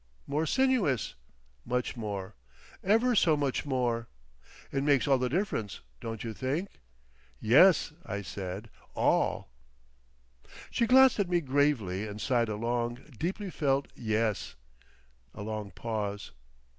"More sinuous." "Much more." "Ever so much more." "It makes all the difference, don't you think?" "Yes," I said, "all." She glanced at me gravely and sighed a long, deeply felt "Yes." A long pause.